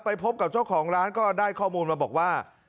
พบกับเจ้าของร้านก็ได้ข้อมูลมาบอกว่า